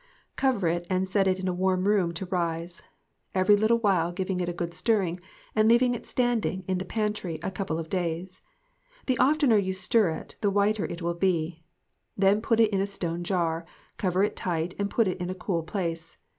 Cover it and set it in a warm room to rise ; every little while giving it a good stirring and leaving it standing in the pantry a couple of days. The oftener you stir it the whiter it will be. Then put it in a stone jar, cover it tight and put it in a cool place.